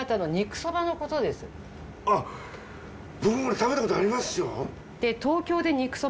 あっ僕も食べたことありますよ。